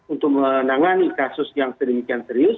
untuk menangani kasus yang sedemikian serius